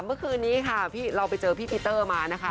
เมื่อคืนนี้ค่ะเราไปเจอพี่ปีเตอร์มานะคะ